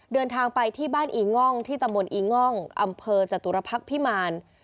เดินทางไปที่บ้านอีง่องที่ตำบลอีง่องอำเภอจตุรพักษ์พิมาร